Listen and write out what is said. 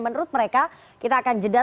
menurut mereka kita akan jeda